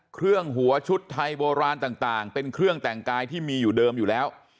หัวชุดไทยโบราณต่างเป็นเครื่องแต่งกายที่มีอยู่เดิมอยู่แล้ว